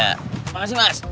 terima kasih mas